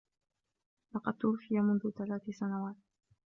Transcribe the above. لقد توفي منذ ثلاث سنوات.